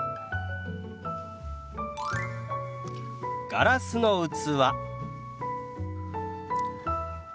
「ガラスの器」。